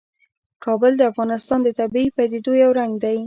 کابل د افغانستان د طبیعي پدیدو یو رنګ دی.